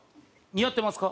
似合ってますか？